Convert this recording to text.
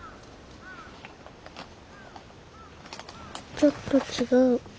ちょっと違う。